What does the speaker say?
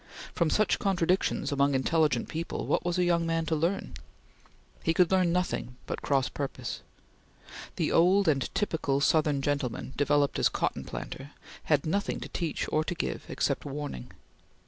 From such contradictions among intelligent people, what was a young man to learn? He could learn nothing but cross purpose. The old and typical Southern gentleman developed as cotton planter had nothing to teach or to give, except warning.